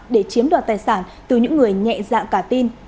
để chiếm đoạt tài sản từ những người nhẹ dạ cả tin